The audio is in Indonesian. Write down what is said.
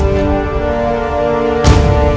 untuk ditangkap oleh readers tips kita